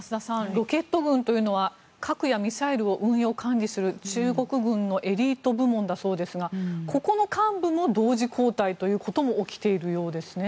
ロケット軍というのは核やミサイルを運用・管理する中国軍のエリート部門だそうですがここの幹部も同時交代ということも起きているようですね。